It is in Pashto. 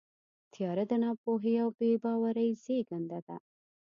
تیاره د ناپوهۍ او بېباورۍ زېږنده ده.